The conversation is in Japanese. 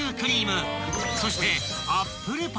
［そして］